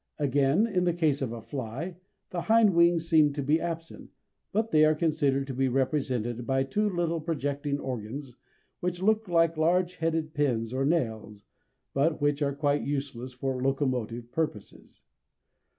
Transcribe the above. Again in the case of a fly, the hind wings seem to be absent, but they are considered to be represented by two little projecting organs which look like large headed pins or nails, but which are quite useless for locomotive purposes.